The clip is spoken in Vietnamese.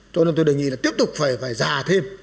cho nên tôi đề nghị là tiếp tục phải giả thêm